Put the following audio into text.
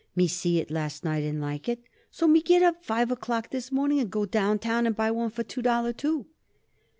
Me see it last night and like it. So me get up five o'clock this morning and go downtown and buy one for two dollar, too."